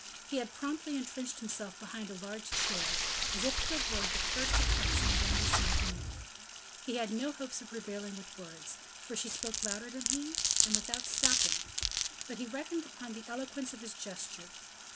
He had promptly intrenched himself behind a large chair, as if to avoid the first attacks of Madame de Saint Remy; he had no hopes of prevailing with words, for she spoke louder than he, and without stopping; but he reckoned upon the eloquence of his gestures.